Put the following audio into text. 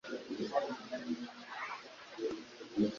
Iki nikintu gito nakuguriye.